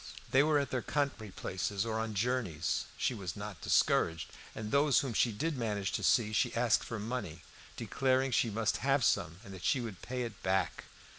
They were at their country places or on journeys. She was not discouraged; and those whom she did manage to see she asked for money, declaring she must have some, and that she would pay it back.